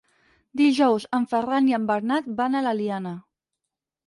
Dijous en Ferran i en Bernat van a l'Eliana.